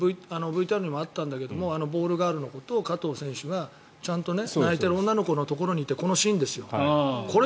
最後ＶＴＲにもあったけどボールガールのことを加藤選手がちゃんと泣いている女の子のところに行ってこのシーンですよ。